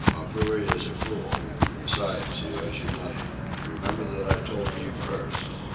Mapuhi is a fool. Besides, he owes you money. Remember that I told you first.